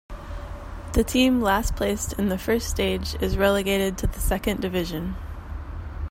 The team last placed in the first stage is relegated to the second division.